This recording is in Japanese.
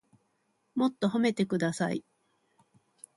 もっと褒めてください